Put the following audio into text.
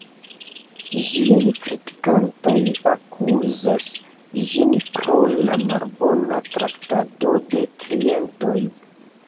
Ĝiaj kritikantoj akuzas ĝin pro la malbona traktado de klientoj.